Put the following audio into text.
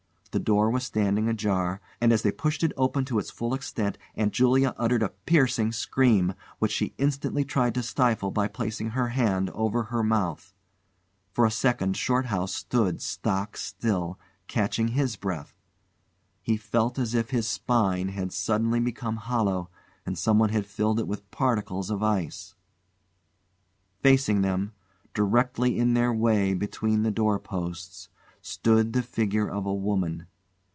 The door was standing ajar, and as they pushed it open to its full extent Aunt Julia uttered a piercing scream, which she instantly tried to stifle by placing her hand over her mouth. For a second Shorthouse stood stock still, catching his breath. He felt as if his spine had suddenly become hollow and someone had filled it with particles of ice. Facing them, directly in their way between the doorposts, stood the figure of a woman.